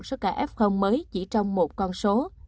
số ca f mới chỉ trong một con số